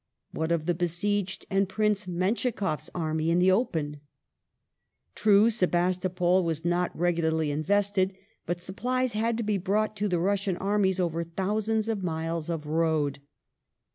What of the besieged and Prince Menschikoff s army in the open ? True, Sebastopol was not regularly invested, but supplies had to be brought to the Russian armies over thousands of miles of road.